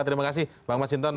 terima kasih bang mas hinton